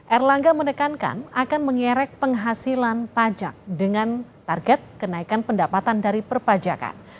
erlangga menekankan akan mengerek penghasilan pajak dengan target kenaikan pendapatan dari perpajakan